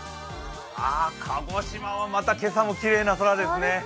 あ、鹿児島はまた今朝もきれいな空ですね。